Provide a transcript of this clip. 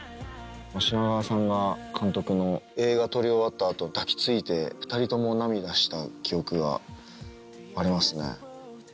品川さんが監督の映画撮り終わった後抱き付いて２人とも涙した記憶がありますね。